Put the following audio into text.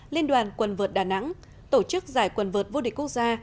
liên đoàn quần vượt đà nẵng tổ chức giải quần vợt vô địch quốc gia